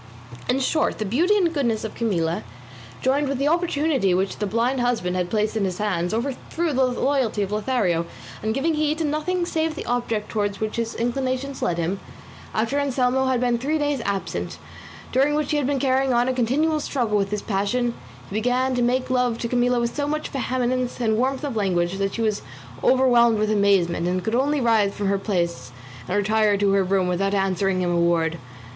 In short the beauty and goodness of Camilla, joined with the opportunity which the blind husband had placed in his hands, overthrew the loyalty of Lothario; and giving heed to nothing save the object towards which his inclinations led him, after Anselmo had been three days absent, during which he had been carrying on a continual struggle with his passion, he began to make love to Camilla with so much vehemence and warmth of language that she was overwhelmed with amazement, and could only rise from her place and retire to her room without answering him a word.